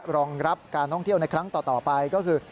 รองรับการท่องเที่ยวในครั้งต่อไปก็คือ